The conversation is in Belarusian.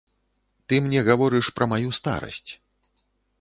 Ты мне гаворыш пра маю старасць.